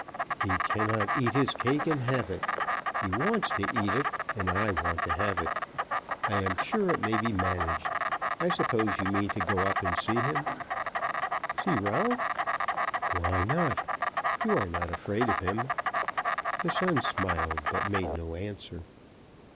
"He cannot eat his cake and have it. He wants to eat it, and I want to have it. I am sure it may be managed. I suppose you mean to go up and see him." "See Ralph?" "Why not? You are not afraid of him." The son smiled, but made no answer.